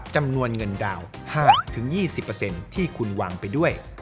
จำนวนเงินดาว๕๒๐ที่คุณวางไปด้วย